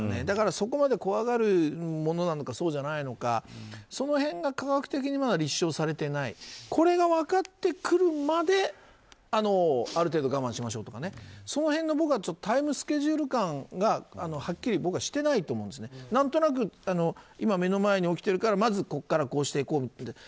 だから、そこまで怖がるものなのかそうじゃないのかその辺が科学的に立証されてないこれが分かってくるまである程度、我慢しましょうとかその辺のタイムスケジュール感が僕ははっきりしていないと思っていて何となく今、目の前で起きてるからここからこうしていこうって。